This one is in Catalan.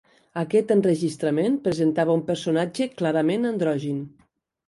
Aquest enregistrament presentava un personatge clarament androgin.